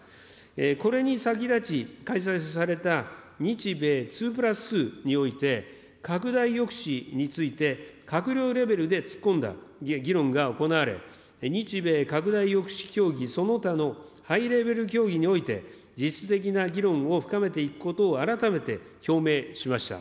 これに先立ち、開催された日米２プラス２において、拡大抑止について閣僚レベルで突っ込んだ議論が行われ、日米拡大抑止協議その他のハイレベル協議において、実質的な議論を深めていくことを改めて表明しました。